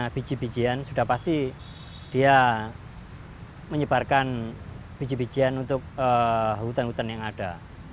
biji bijian sudah pasti dia menyebarkan biji bijian untuk hutan hutan yang ada